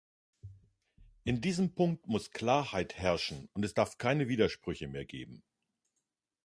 In diesem Punkt muss Klarheit herrschen, und darf es keine Widersprüche mehr geben.